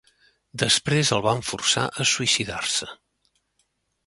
Després el van forçar a suïcidar-se.